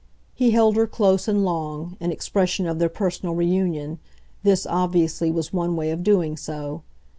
He held her close and long, in expression of their personal reunion this, obviously, was one way of doing so.